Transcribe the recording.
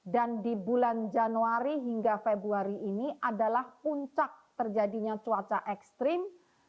dan di bulan januari hingga februari ini adalah puncak terjadinya cuaca ekstrim